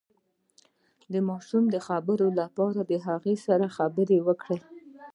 د ماشوم د خبرو لپاره له هغه سره خبرې وکړئ